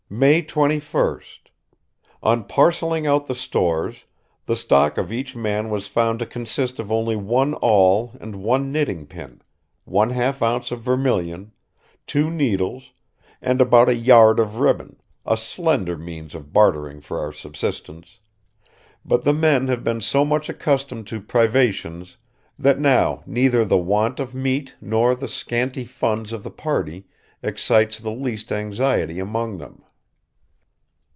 "May 21st. On parceling out the stores, the stock of each man was found to consist of only one awl and one knitting pin, one half ounce of vermilion, two needles, and about a yard of ribbon a slender means of bartering for our subsistence; but the men have been so much accustomed to privations that now neither the want of meat nor the scanty funds of the party excites the least anxiety among them."